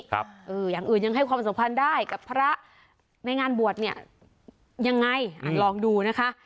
เอออย่างอื่นยังให้ความสัมพันธ์ได้กับพระในงานบวชเนี่ยยังไงอ่ะลองดูนะคะ